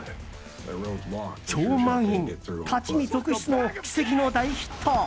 超満員、立ち見続出の奇跡の大ヒット！